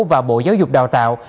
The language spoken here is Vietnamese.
và bộ giáo dục đào tạo